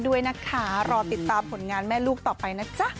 ด้วยนะคะรอติดตามผลงานแม่ลูกต่อไปนะจ๊ะ